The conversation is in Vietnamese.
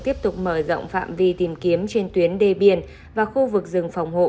tiếp tục mở rộng phạm vi tìm kiếm trên tuyến đê biển và khu vực rừng phòng hộ